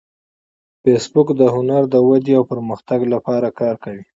فېسبوک د هنر د ودې او پرمختګ لپاره کار کوي